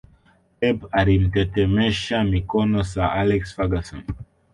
Pep alimtetemesha mikono Sir Alex Ferguson